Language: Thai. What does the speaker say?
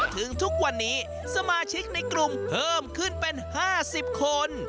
ถึงทุกวันนี้สมาชิกในกรุงเพิ่มขึ้นเป็น๕๐คน